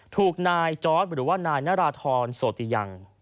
ถูกนายจอร์ดหรือว่านายนาราธรโสติยัง